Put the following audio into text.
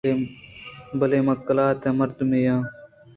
بلئے من قلات ءِ مردمے آں